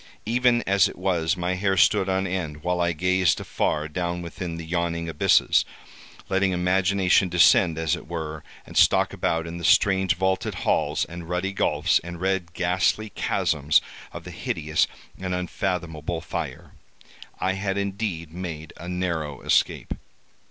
Even as it was, my hair stood on end, while I gazed afar down within the yawning abysses, letting imagination descend, as it were, and stalk about in the strange vaulted halls, and ruddy gulfs, and red ghastly chasms of the hideous and unfathomable fire. I had indeed made a narrow escape.